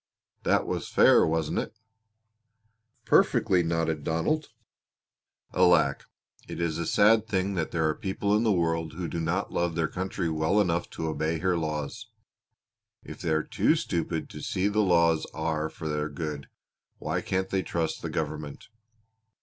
That was fair, wasn't it?" "Perfectly!" nodded Donald. "Alack! It is a sad thing that there are people in the world who do not love their country well enough to obey her laws. If they are too stupid to see the laws are for their good why can't they trust the government?